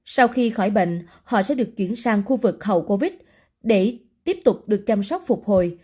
sau khi khỏi bệnh họ sẽ được chuyển sang khu vực hậu covid để tiếp tục được chăm sóc phục hồi